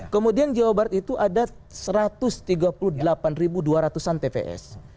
kemudian jawa barat itu ada satu ratus tiga puluh delapan dua ratus an tps